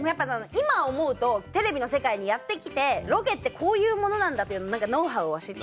今思うとテレビの世界にやって来てロケってこういうものなんだというノウハウを知ってる。